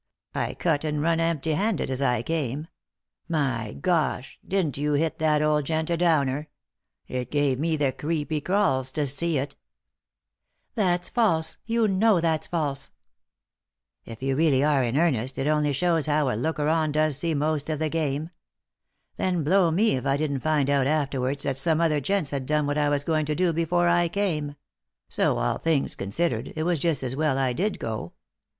I cut and run empty handed, as I came. My gosh I didn't you hit that old gent a downer! It gave me the creepy crawls to see it" 171 3i 9 iii^d by Google THE INTERRUPTED KISS " That's false 1— you know that's false 1 "" If you really are in earnest it only shows how a looker on does see most of the game. Then, blow me if I didn't find out afterwards that some other gents had done what I was going to do before I came ; so, all things considered, it was just as well I did go.